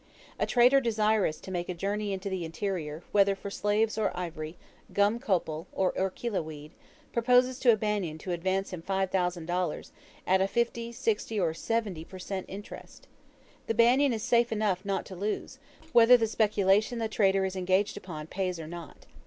A trader desirous to make a journey into the interior, whether for slaves or ivory, gum copal, or orchilla weed, proposes to a Banyan to advance him $5,000, at 50, 60, or 70 per cent. interest. The Banyan is safe enough not to lose, whether the speculation the trader is engaged upon pays or not.